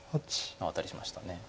あっアタリしました。